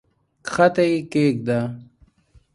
کښته یې کښېږده!